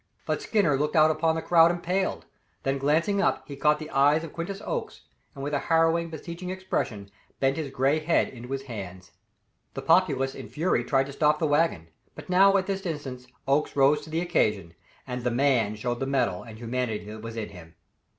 But Skinner looked out upon the crowd and paled; then glancing up, he caught the eyes of Quintus Oakes, and with a harrowing, beseeching expression, bent his gray head into his hands. The populace in fury tried to stop the wagon; but now, at this instant, Oakes rose to the occasion, and the man showed the mettle and the humanity that was in him.